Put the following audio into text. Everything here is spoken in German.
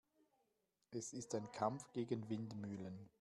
Es ist ein Kampf gegen Windmühlen.